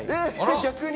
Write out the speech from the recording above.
逆に？